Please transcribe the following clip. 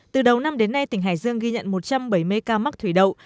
từ đầu năm đến nay tỉnh hải dương ghi nhận một trăm bảy mươi ca mắc thủy đậu